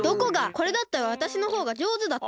これだったらわたしのほうがじょうずだって！